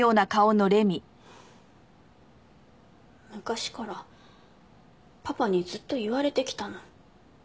昔からパパにずっと言われてきたの。